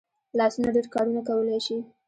لاسونه ډېر کارونه کولی شي